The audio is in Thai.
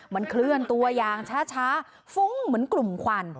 มันเคลื่อนตัวอย่างช้าฟุ้งเหมือนกลุ่มควัน